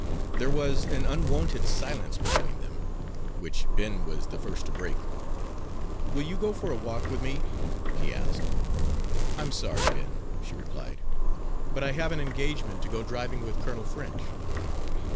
There was an unwonted silence between them, which Ben was the first to break. "Will you go for a walk with me?" he asked. "I'm sorry, Ben," she replied, "but I have an engagement to go driving with Colonel French."